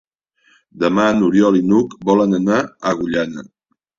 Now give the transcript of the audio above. Demà n'Oriol i n'Hug volen anar a Agullana.